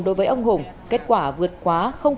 đối với ông hùng kết quả vượt quá